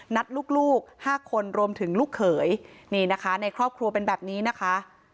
ลูก๕คนรวมถึงลูกเขยนี่นะคะในครอบครัวเป็นแบบนี้นะคะ